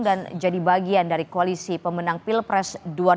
dan menjadi bagian dari koalisi pemenang pilpres dua ribu dua puluh empat